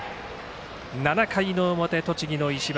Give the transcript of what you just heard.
７回の表、栃木の石橋。